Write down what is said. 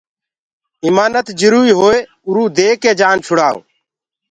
امآنت جروئي هوئي اروئو ديڪي جآن ڇڙائو